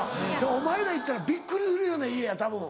お前ら行ったらびっくりするような家やたぶん。